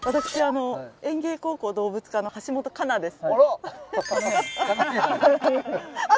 私、園芸高校動物科の橋本夏奈です。